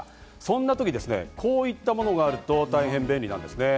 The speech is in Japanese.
そんな時ですね、こういったものがあると大変便利なんですね。